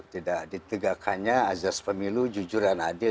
tidak ditegakannya azaz pemilu jujuran hadil